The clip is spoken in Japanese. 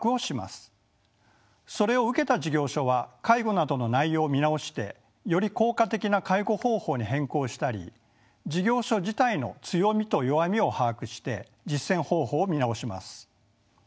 それを受けた事業所は介護などの内容を見直してより効果的な介護方法に変更したり事業所自体の強みと弱みを把握して実践方法を見直します。